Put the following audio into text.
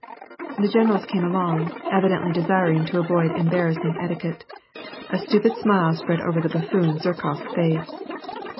The generals came along, evidently desiring to avoid em barrassing etiquette. A stupid smile spread over the buffoon Zherkof s face.